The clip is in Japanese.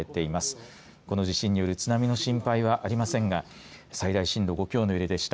この地震による津波の心配はありませんが最大震度５強の揺れでした。